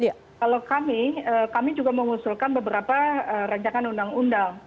kalau kami kami juga mengusulkan beberapa rancangan undang undang